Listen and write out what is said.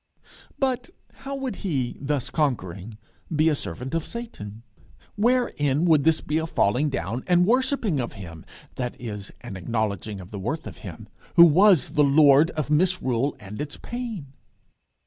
But how would he, thus conquering, be a servant of Satan? Wherein would this be a falling down and a worshipping of him (that is, an acknowledging of the worth of him) who was the lord of misrule and its pain?